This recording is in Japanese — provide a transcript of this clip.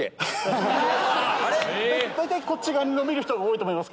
大体こっち側に伸びる人が多いと思います。